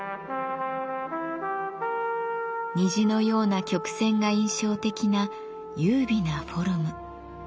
虹のような曲線が印象的な優美なフォルム。